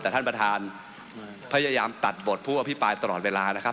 แต่ท่านประธานพยายามตัดบทผู้อภิปรายตลอดเวลานะครับ